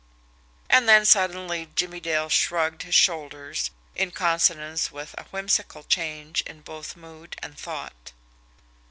And then suddenly Jimmie Dale shrugged his shoulders in consonance with a whimsical change in both mood and thought.